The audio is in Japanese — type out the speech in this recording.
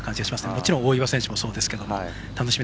もちろん大岩選手もそうですけど。